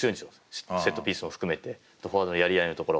セットピースも含めてフォワードのやり合いのところ。